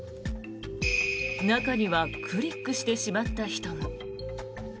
中にはクリックしてしまった人も。